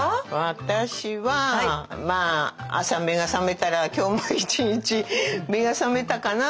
私はまあ朝目が覚めたら今日も一日目が覚めたかなぁと思って。